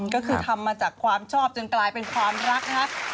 ก็คือทำมาจากความชอบจนกลายเป็นความรักนะครับ